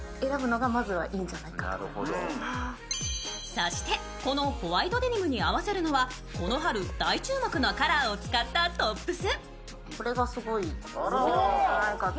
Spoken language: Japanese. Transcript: そして、このホワイトデニムに合わせるのはこの春、大注目のカラーを使ったトップス。